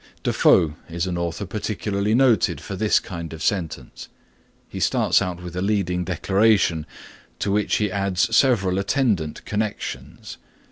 Defoe is an author particularly noted for this kind of sentence. He starts out with a leading declaration to which he adds several attendant connections.